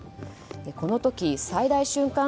この時、最大瞬間